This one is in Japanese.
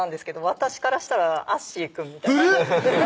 私からしたらアッシーくんみたいな古っ！